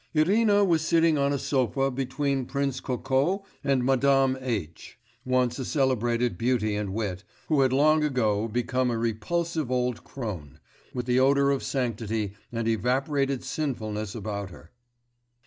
Irina was sitting on a sofa between Prince Kokó and Madame H., once a celebrated beauty and wit, who had long ago become a repulsive old crone, with the odour of sanctity and evaporated sinfulness about her.